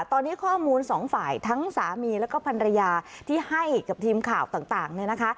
ตอนนี้ข้อมูลสองฝ่ายทั้งสามีแล้วก็ภรรยาที่ให้กับทีมข่าวต่างเนี่ยนะคะ